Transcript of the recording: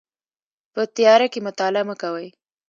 په تیاره کې مطالعه مه کوئ